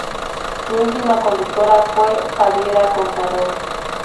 Su última conductora fue Javiera Contador.